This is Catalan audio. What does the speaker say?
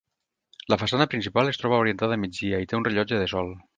La façana principal es troba orientada a migdia i té un rellotge de sol.